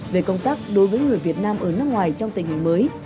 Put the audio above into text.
về công tác đối với người việt nam ở nước ngoài trong tình hình mới